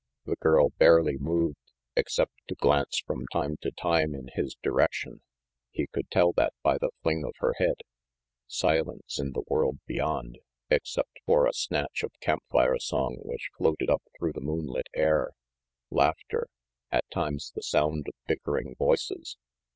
The girl barely moved, except to glance from time to time in his direction. He could tell that by the fling of her head. Silence in the world beyond, except for a snatch of campfire song which floated up through the moonlit air. Laughter; at times the sound of bickering voices.